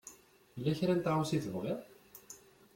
Tella kra n tɣawsa i tebɣiḍ?